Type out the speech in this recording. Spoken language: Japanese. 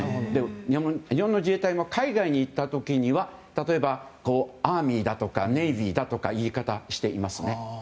日本の自衛隊も海外に行った時には例えば、アーミーだとかネイビーだとかいう言い方をしていますね。